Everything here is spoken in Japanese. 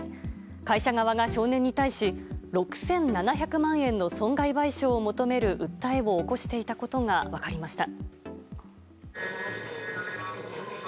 会社側が少年に対し６７００万円の損害賠償を求める訴えを起こしていたことが分かりました。